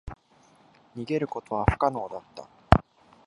逃げることは不可能だった。